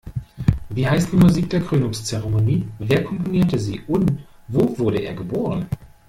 Wie heißt die Musik der Krönungzeremonie, wer komponierte sie und wo wurde er geboren?